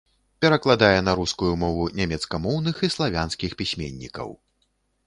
Перакладае на рускую мову нямецкамоўных і славянскіх пісьменнікаў.